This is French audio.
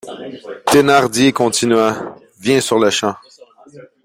Thénardier continua: —« Viens sur-le-champ...